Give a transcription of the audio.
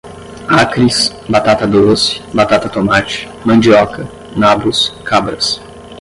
acres, batata-doce, batata, tomate, mandioca, nabos, cabras